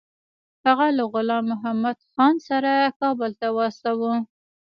هغه له غلام محمدخان سره کابل ته واستاوه.